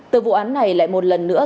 từ vụ án này lại một lần nữa